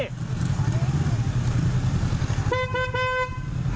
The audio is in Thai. ลุ้น